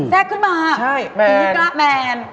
แทรกขึ้นมาอีกละแมน